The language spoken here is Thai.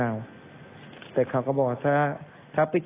มันต้องเสีย